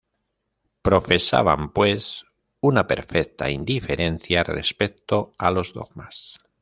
Profesaban, pues, una perfecta indiferencia respecto a los dogmas.